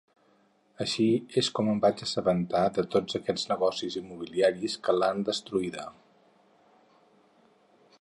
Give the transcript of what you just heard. Així és com em vaig assabentar de tots aquests negocis immobiliaris que l'han destruïda.